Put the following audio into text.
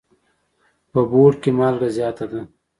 په بوړ کي مالګه زیاته ده.